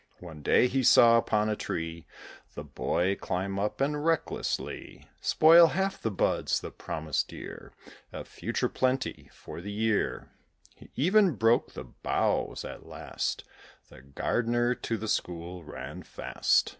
One day he saw upon a tree The boy climb up, and recklessly Spoil half the buds, the promise dear Of future plenty for the year; He even broke the boughs. At last The Gardener to the school ran fast.